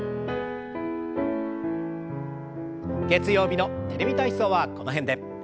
月曜日の「テレビ体操」はこの辺で。